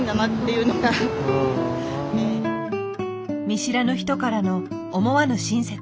見知らぬ人からの思わぬ親切。